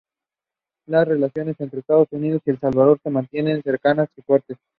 Las relaciones entre Estados Unidos y El Salvador se mantienen cercanas y fuertes.